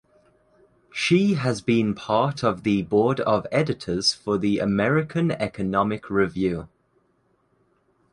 She has been part of the board of editors for the American Economic Review.